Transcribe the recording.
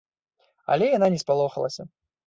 Але яна не спалохалася.